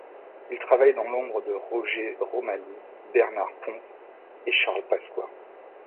Il travaille dans l'ombre de Roger Romani, Bernard Pons et Charles Pasqua.